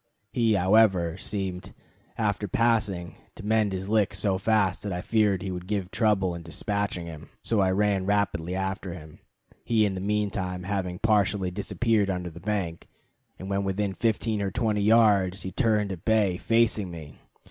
He, however, seemed, after passing, to mend his licks so fast that I feared he would give trouble in despatching him, so I ran rapidly after him, he in the mean time having partially disappeared under the bank; and when within fifteen or twenty yards he turned at bay, facing me.